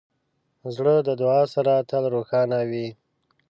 زړه د دعا سره تل روښانه وي.